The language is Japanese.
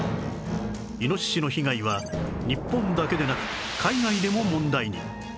イノシシの被害は日本だけでなく海外でも問題に